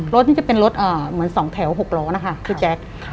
รถนี่จะเป็นรถเหมือน๒แถว๖ล้อนะคะพี่แจ๊ค